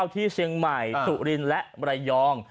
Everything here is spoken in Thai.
ที่เชียงใหม่สุรินและระยอง